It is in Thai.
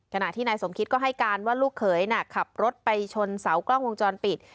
ขณะที่นายสมคิตก็ให้การว่าลูกเขยขับรถไปชนเสากล้องวงจรปิด